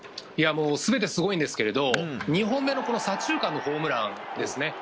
全てすごいんですけれど２本目の左中間のホームランですね。